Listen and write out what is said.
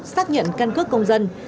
xác nhận căn cước công dân